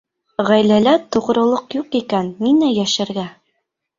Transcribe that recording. Ғаиләлә тоғролоҡ юҡ икән, ниңә йәшәргә?